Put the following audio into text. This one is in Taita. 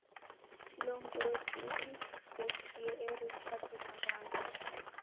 Kilongozi uditesie eri dipate maghanga.